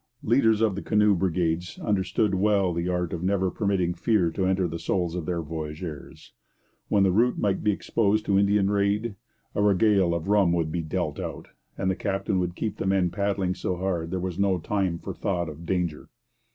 Leaders of the canoe brigades understood well the art of never permitting fear to enter the souls of their voyageurs. Where the route might be exposed to Indian raid, a regale of rum would be dealt out; and the captain would keep the men paddling so hard there was no time for thought of danger.